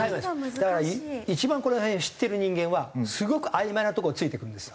だから一番この辺を知ってる人間はすごくあいまいなところを突いてくるんですよ。